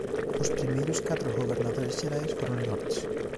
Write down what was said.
Os primeiros catro gobernadores xerais foron lords.